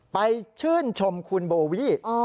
ไปชื่นชมคุณโบวิ